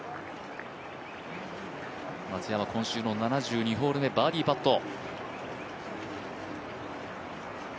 松山、今週の７２ホール目、バーディーパット。